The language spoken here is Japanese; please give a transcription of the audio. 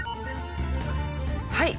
はい。